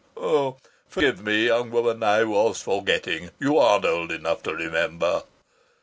Forgive me, young woman, I was forgetting you aren't old enough to remember.